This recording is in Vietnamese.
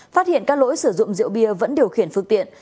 phát hiện các lỗi sử dụng rượu bia vẫn điều khiển phương tiện